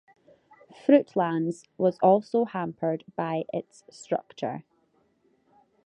Fruitlands was also hampered by its structure.